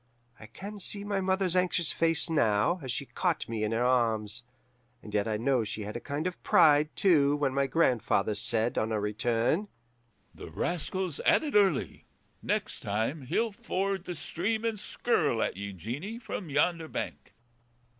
I can see my mother's anxious face now, as she caught me to her arms; and yet I know she had a kind of pride, too, when my grandfather said, on our return, 'The rascal's at it early. Next time he'll ford the stream and skirl at ye, Jeanie, from yonder bank.